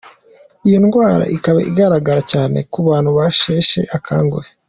Iyo ndwara ikaba igaragara cyane ku bantu basheshe akanguhe.